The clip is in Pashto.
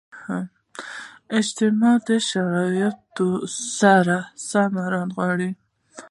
اجتماعي شرایطو سره سم رانغاړي.